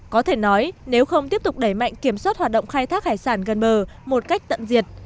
có thể nói nếu không tiếp tục đẩy mạnh kiểm soát hoạt động khai thác hải sản gần bờ một cách tận diệt